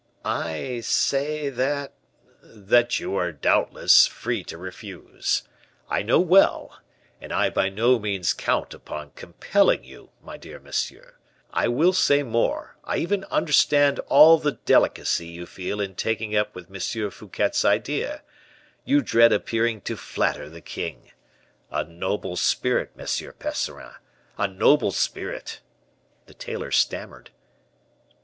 "I say, that " "That you are, doubtless, free to refuse. I know well and I by no means count upon compelling you, my dear monsieur. I will say more, I even understand all the delicacy you feel in taking up with M. Fouquet's idea; you dread appearing to flatter the king. A noble spirit, M. Percerin, a noble spirit!" The tailor stammered.